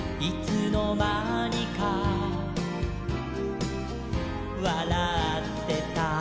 「いつのまにかわらってた」